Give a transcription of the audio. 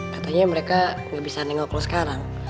katanya mereka gak bisa nengok lo sekarang